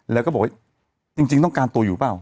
แล้วก็บอกว่าจริงต้องการตัวอยู่เปล่า